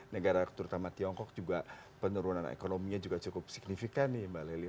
negara terutama tiongkok juga penurunan ekonominya juga cukup signifikan nih mbak lely